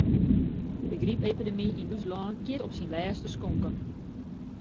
De grypepidemy yn ús lân giet op syn lêste skonken.